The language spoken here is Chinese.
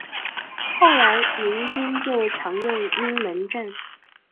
后来民军就常用阴门阵。